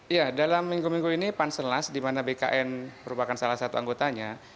ya dalam minggu minggu ini pansellas di mana bkn merupakan salah satu anggotanya